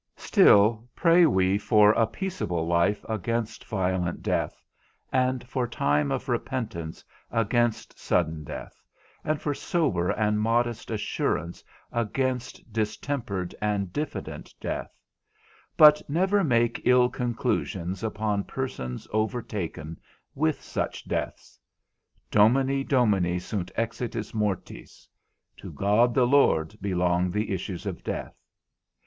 Still pray we for a peaceable life against violent death, and for time of repentance against sudden death, and for sober and modest assurance against distempered and diffident death, but never make ill conclusions upon persons overtaken with such deaths; Domini Domini sunt exitus mortis, to God the Lord belong the issues of death.